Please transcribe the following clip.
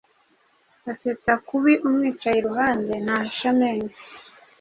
asetsa kubi umwicaye iruhande ntahisha amenyo